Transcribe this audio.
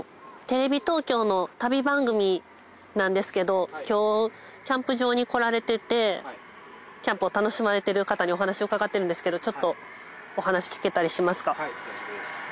テレビ東京の旅番組なんですけど今日キャンプ場に来られててキャンプを楽しまれてる方にお話をうかがってるんですけどちょっとお話聞けたりしますか？